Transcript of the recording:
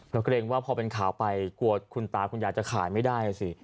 ก็เกรงว่าพอเป็นข่าวไปกลัวคุณตาคุณยายจะขายไม่ได้อ่ะสิ